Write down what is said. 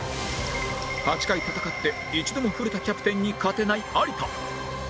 ８回戦って一度も古田キャプテンに勝てない有田